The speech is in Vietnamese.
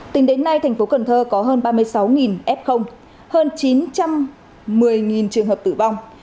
tính đến nay thành phố cần thơ có hơn ba mươi sáu f hơn chín trăm một mươi trường hợp tử vong